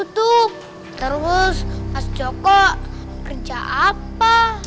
kalau ditutup terus mas joko kerja apa